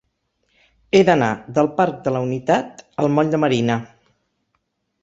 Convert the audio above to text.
He d'anar del parc de la Unitat al moll de Marina.